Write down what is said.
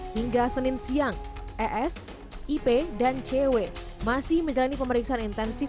hingga senin siang es ip dan cw masih menjalani pemeriksaan intensif